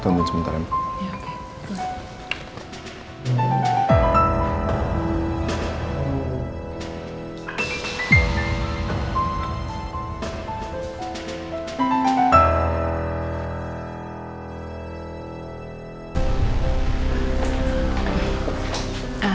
tunggu sebentar ya